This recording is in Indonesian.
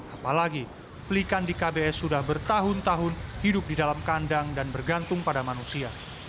apalagi pelikan di kbs sudah bertahun tahun hidup di dalam kandang dan bergantung pada manusia